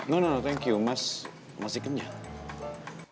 no no thank you mas masih kenyang